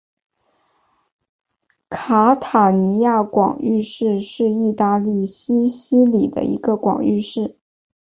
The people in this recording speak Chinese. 卡塔尼亚广域市是意大利西西里的一个广域市。